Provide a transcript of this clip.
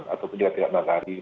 atau tidak di